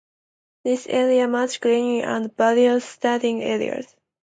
The area has much greenery and various seating areas.